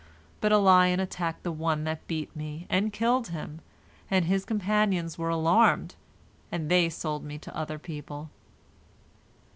But a lion attacked the one that beat me, and killed him, and his companions were alarmed, and they sold me to other people."